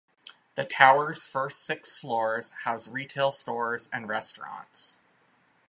The tower's first six floors house retail stores and restaurants.